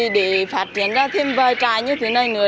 để phát triển ra thêm vài trại như thế này nữa